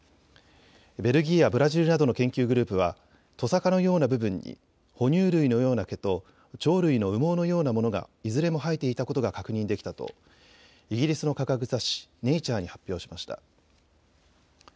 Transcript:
ベルギーやブラジルなどの研究グループは、とさかのような部分に哺乳類のような毛と鳥類の羽毛のようなものがいずれも生えていたことが確認できたとイギリスの科学雑誌、ネイチャーに発表しました。